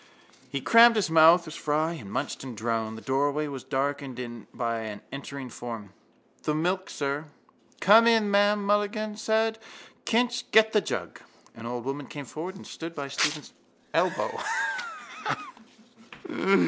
_ He crammed his mouth with fry and munched and droned. The doorway was darkened by an entering form. —The milk, sir! —Come in, ma'am, Mulligan said. Kinch, get the jug. An old woman came forward and stood by Stephen's elbow.